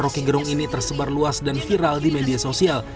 rokigerung ini tersebar luas dan viral di media sosial